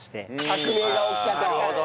革命が起きたと。